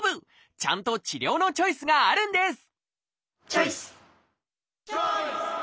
ちゃんと治療のチョイスがあるんですチョイス！